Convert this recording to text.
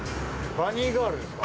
バニーガールですか？